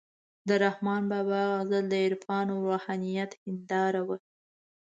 د رحمان بابا غزل د عرفان او روحانیت هنداره وه،